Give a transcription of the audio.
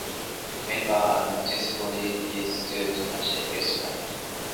Remember, a nourished body leads to a sharper mind!